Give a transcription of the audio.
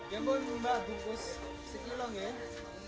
ya mbak mbak bungkus sekilong ya